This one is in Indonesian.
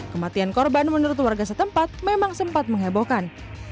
kematian korban menurut warga setempat memang sempat menghebohkan